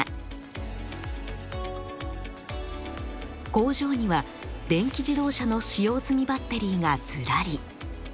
工場には電気自動車の使用済みバッテリーがずらり。